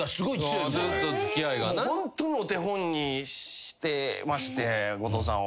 ホントお手本にしてまして後藤さんを。